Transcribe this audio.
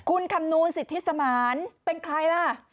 คุณคำนวณสิทธิสมานเป็นใครล่ะ